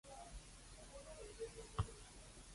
不過冇所謂，功成不必在我